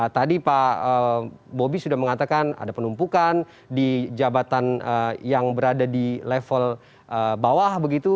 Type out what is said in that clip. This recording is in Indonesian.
tadi pak bobby sudah mengatakan ada penumpukan di jabatan yang berada di level bawah begitu